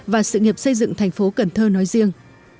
và sự nghiệp xây dựng thành phố cần thơ nói riêng